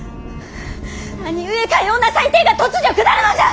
何故かような裁定が突如下るのじゃ！